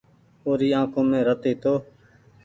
او ري آنکون مين رت هيتو۔